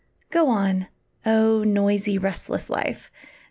Go on, oh, noisy, restless life!